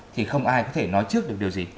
thì không ai có thể nói trước được điều gì